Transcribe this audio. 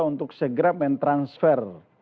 untuk segera mentransfer